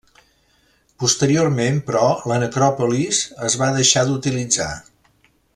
Posteriorment però la necròpolis es va deixar d'utilitzar.